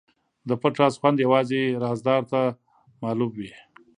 د پټ راز خوند یوازې رازدار ته معلوم وي.